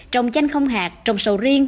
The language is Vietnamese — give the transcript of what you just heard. trồng chanh không hạt trồng sầu riêng